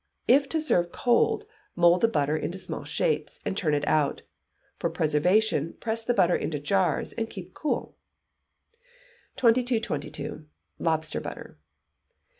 If to serve cold, mould the butter in small shapes, and turn it out. For preservation, press the butter into jars, and keep cool. 2222. Lobster Butter.